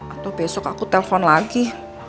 atau besok aku telpon lagi